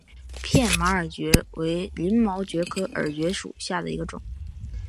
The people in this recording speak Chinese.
片马耳蕨为鳞毛蕨科耳蕨属下的一个种。